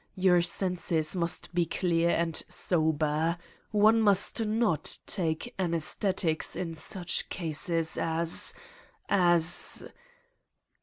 Your senses must be clear and sober. One must not take anesthetics in such cases as . as